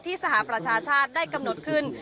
สหประชาชาติได้กำหนดขึ้น